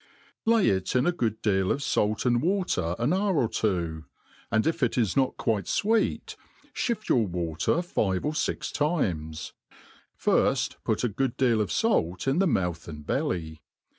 , LAY.it in a good deal of fait and water an hour or two^ and if it is not quite Tweet, (hift your water five or fix times | firft put a good deal of fait in the mouth andl^elly.